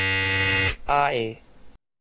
亞裔